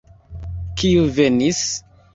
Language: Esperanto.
Kiu venis?